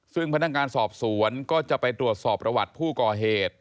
ซึ่งพนักงานสอบสวนก็จะไปตรวจสอบประวัติผู้ก่อเหตุ